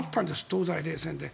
東西冷戦で。